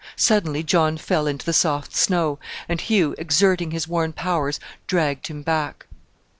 Suddenly John fell into the soft snow, and Hugh, exerting his worn powers, dragged him back.